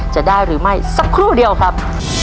จะได้หรือไม่สักครู่เดียวครับ